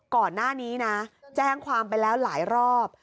ก่อนหน้านี้นะแจ้งความไปแล้วหลายรอบ